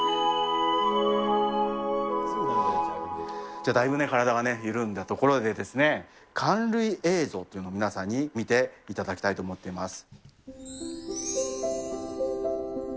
じゃあ、だいぶね、体が緩んだところで、感涙映像というのを皆さんに見ていただきたいと思っています。